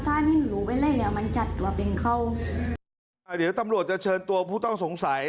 ซึ่งเราก็เลยถักไปเคลียร์กับพอมันอีกทีนะคะพอมันก็บอกให้จ๊อบซึ่งทุกท่าย